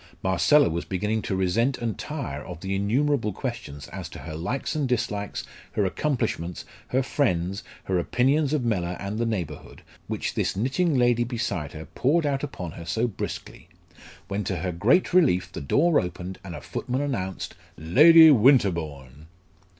Marcella was beginning to resent and tire of the innumerable questions as to her likes and dislikes, her accomplishments, her friends, her opinions of Mellor and the neighbourhood, which this knitting lady beside her poured out upon her so briskly, when to her great relief the door opened and a footman announced "Lady Winterbourne."